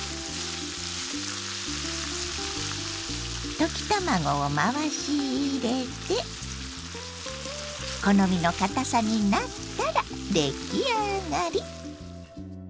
溶き卵を回し入れて好みのかたさになったら出来上がり！